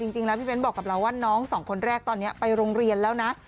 จริงแล้วพี่เบ้นบอกกับเราว่าน้องสองคนแรกตอนนี้ไปโรงเรียนแล้วนะ